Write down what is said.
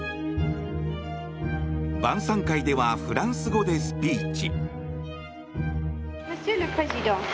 晩さん会ではフランス語でスピーチ。